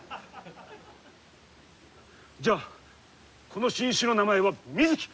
じゃあこの新種の名前は「ミズキ」！